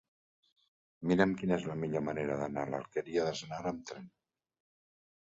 Mira'm quina és la millor manera d'anar a l'Alqueria d'Asnar amb tren.